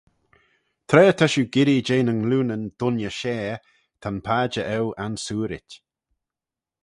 Tra ta shiu girree jeh nyn glioonyn dooinney share ta'n padjer eu ansoorit.